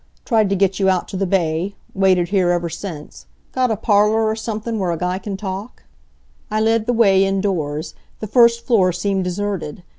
Tried to get you out to the bay. Waited here ever since. Got a parlor, or somethin', where a guy can talk?" I led the way indoors. The first floor seemed deserted.